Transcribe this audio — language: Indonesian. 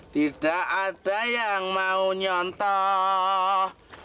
tidak ada yang mau nyontoh